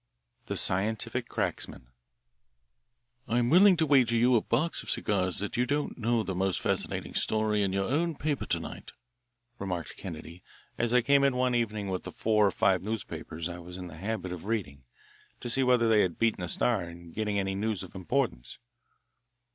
The Scientific Cracksman "I'm willing to wager you a box of cigars that you don't know the most fascinating story in your own paper to night," remarked Kennedy, as I came in one evening with the four or five newspapers I was in the habit of reading to see whether they had beaten the Star in getting any news of importance.